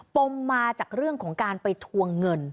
มมาจากเรื่องของการไปทวงเงิน